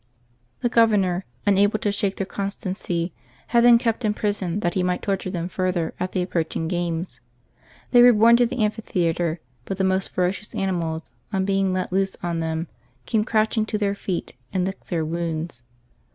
The governor, unable to shake tlieir constancy, had them kept imprisoned that he might torture them further at the approaching games. They were borne to the amphi theatre, but the most ferocious animals, on being let loose on them, came crouching to their feet and licked their wounds.